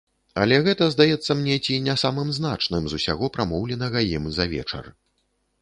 Але гэта здаецца мне ці не самым значным з усяго, прамоўленага ім за вечар.